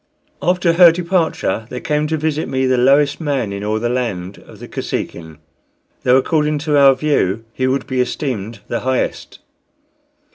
After her departure there came to visit me the lowest man in all the land of the Kosekin, though, according to our view, he would be esteemed the highest.